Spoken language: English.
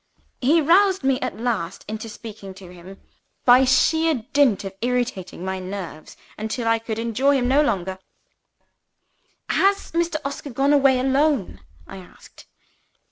He roused me at last into speaking to him, by sheer dint of irritating my nerves until I could endure him no longer. "Has Mr. Oscar gone away alone?" I asked.